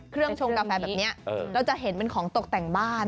ชงกาแฟแบบนี้เราจะเห็นเป็นของตกแต่งบ้าน